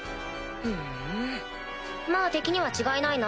ふんまぁ敵には違いないな。